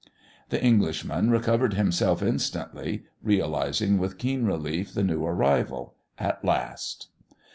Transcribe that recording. The Englishman recovered himself instantly, realising with keen relief the new arrival at last.